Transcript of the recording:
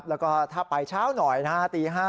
แล้วก็ถ้าไปเช้าหน่อยนะฮะตี๕